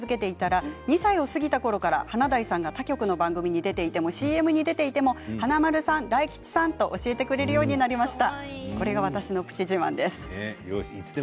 見て華丸さんと大吉さんだと言い続けていたら２歳を過ぎたころから華大さんが他局の番組に出ていてもＣＭに出ていても華丸さん大吉さんと教えてくれるようになりました。